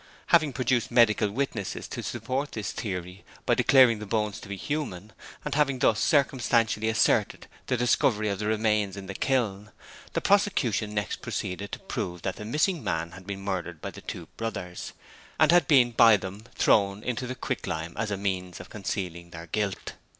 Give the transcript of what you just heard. Having produced medical witnesses to support this theory by declaring the bones to be human, and having thus circumstantially asserted the discovery of the remains in the kiln, the prosecution next proceeded to prove that the missing man had been murdered by the two brothers, and had been by them thrown into the quicklime as a means of concealing their guilt.